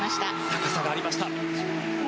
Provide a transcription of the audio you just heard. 高さがありました。